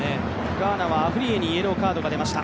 ガーナはアフリイェにイエローカードが出ました。